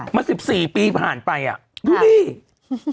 มา๑๔ปีผ่านไปอ่ะดูดิ